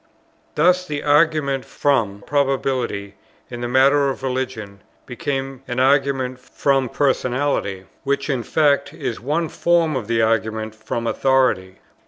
Thus the argument from Probability, in the matter of religion, became an argument from Personality, which in fact is one form of the argument from Authority.